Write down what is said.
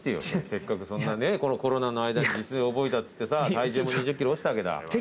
せっかくそんなねこのコロナの間自炊覚えたっつってさ体重も２０ｋｇ落ちたわけだ。